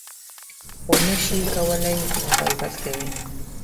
خو نه شي کولی نو غیبت کوي .